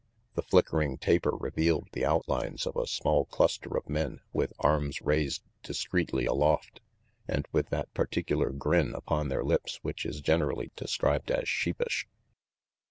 The flickering taper revealed the outlines of a small cluster of men with arms raised discreetly aloft and with that particular grin upon their lips which is generally described as sheepish.